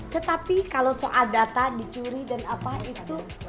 tetapi kalau soal data dicuri dan apa itu